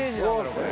これ。